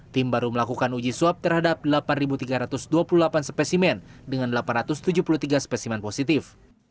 tim baru melakukan uji swab terhadap delapan tiga ratus dua puluh delapan spesimen dengan delapan ratus tujuh puluh tiga spesimen positif